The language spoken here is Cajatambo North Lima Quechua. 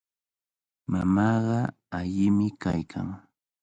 Mamaaqa allimi kaykan.